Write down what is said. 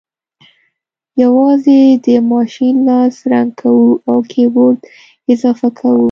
یوازې د ماشین لاس رنګ کوو او کیبورډ اضافه کوو